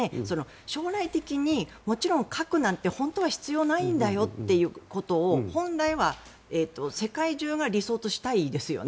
将来的にもちろん核なんて本当は必要ないんだよということを本来は世界中が理想としたいですよね。